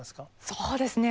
そうですね